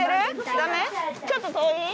ちょっと遠い？